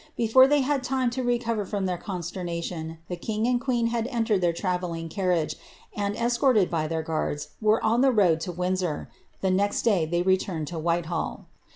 Before they had time to recover from their constcrnaiion. the king and queen had entered their trnvi'lling carriage, and, escorted by their ^riianls, were on the road to \Vindsi»r. Tlie next dav tfiev rt' turned to Whitehall.'